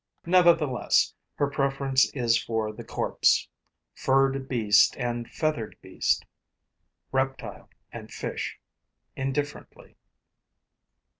Nevertheless, her preference is for the corpse: furred beast and feathered beast, reptile and fish, indifferently.